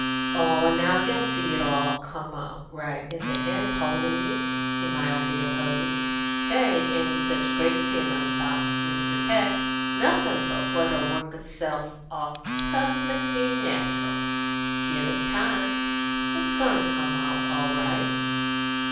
"Oh, now, you'll see it'll all come out right in the end, Pauliny," he mildly opposed. "There ain't any such great feelin' about Mr. Peck; nothin' but what'll work itself off perfec'ly natural, give it time. It's goin' to come out all right."